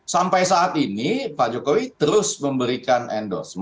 sampai saat ini pak jokowi terus memberikan endorsement